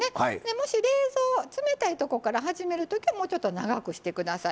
もし冷蔵冷たいとこから始める時はもうちょっと長くして下さい。